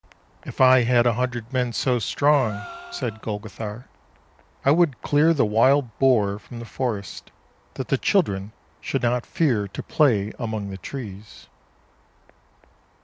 " If I had a hundred men so strong," said Golgo thar, " I would clear the wild boar from the forests, that the children should not fear to play among the trees."